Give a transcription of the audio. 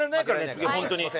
次は本当に。